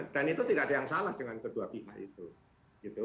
dan itu tidak ada yang salah dengan kedua pihak itu